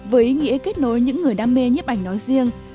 với ý nghĩa kết nối những người đam mê nhiếp ảnh nói riêng